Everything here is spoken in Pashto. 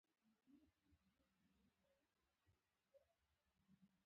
واکمنانو د مغولو اطاعت کاوه.